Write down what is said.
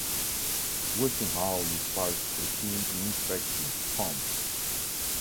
Westinghouse dispatched a team to inspect the pumps.